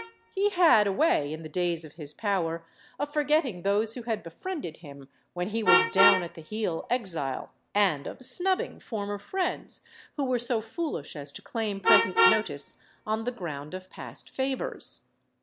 He had a way, in the days of his power, of forgetting those who had befriended him when he was down at the heel exile, and of snubbing former friends who were so foolish as to claim present notice on the ground of past favors.